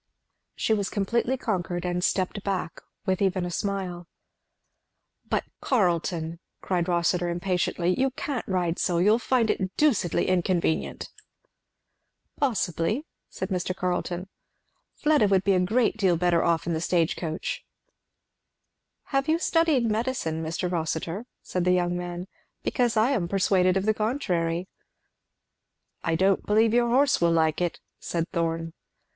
She was completely conquered, and stepped back with even a smile. "But, Carleton!" cried Rossitur impatiently, "you can't ride so! you'll find it deucedly inconvenient." "Possibly," said Mr. Carleton. "Fleda would be a great deal better off in the stage coach." "Have you studied medicine, Mr. Rossitur?" said the young man. "Because I am persuaded of the contrary." "I don't believe your horse will like it," said Thorn.